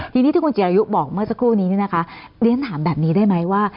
ทีนี้ที่คุณจิรายุบอกเมื่อสักครู่นี้เนี่ยนะคะเรียนถามแบบนี้ได้ไหมว่า